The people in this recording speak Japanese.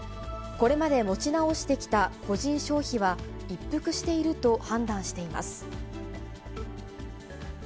これまで持ち直してきた個人消費は一服していると判断しています。